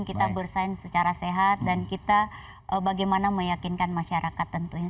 kita bersaing secara sehat dan kita bagaimana meyakinkan masyarakat tentunya